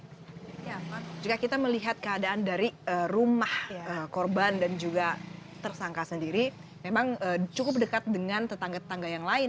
ya jika kita melihat keadaan dari rumah korban dan juga tersangka sendiri memang cukup dekat dengan tetangga tetangga yang lain